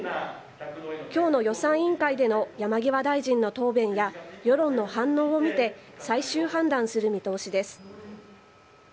きょうの予算委員会での山際大臣の答弁や、世論の反応を見て、最終判断する見通しです。